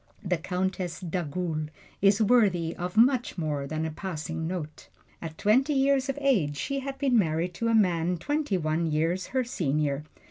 The Countess d'Agoult is worthy of much more than a passing note. At twenty years of age she had been married to a man twenty one years her senior.